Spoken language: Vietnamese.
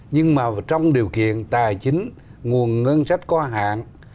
nhưng mà trong điều kiện tài chính nguồn ngân sách có hạn